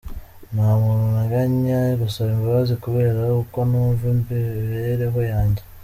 Nta muntu nteganya gusaba imbabazi kubera uko numva imibereho yanjye”.